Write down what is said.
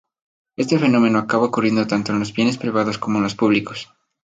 Este fenómeno acaba ocurriendo tanto en los bienes privados como en los públicos.